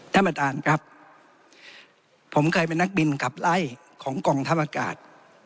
ท่านประธานครับผมเคยเป็นนักบินขับไล่ของกองทัพอากาศ